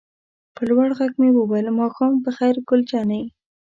په لوړ غږ مې وویل: ماښام په خیر ګل جانې.